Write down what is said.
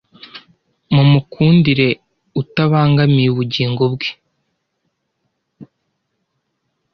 mumukundire utabangamiye ubugingo bwe